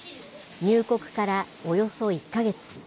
入国からおよそ１か月。